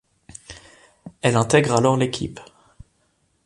Elle intègre alors l'équipe.